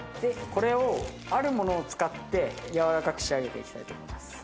これを、あるものを使って、やわらかく仕上げていきたいと思います。